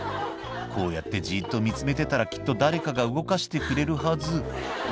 「こうやってじっと見つめてたらきっと誰かが動かしてくれるはず」